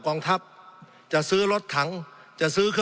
สงบจนจะตายหมดแล้วครับ